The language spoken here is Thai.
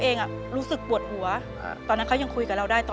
เปลี่ยนเพลงเพลงเก่งของคุณและข้ามผิดได้๑คำ